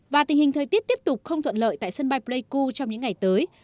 và tình hình thời tiết tiếp tục không thuận lợi tại sân bay pleiku trong những ngày tới